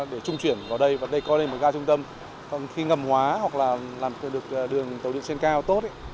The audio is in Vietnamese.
để trung chuyển vào đây và đây coi lên một ga trung tâm còn khi ngầm hóa hoặc là làm được đường tàu điện trên cao tốt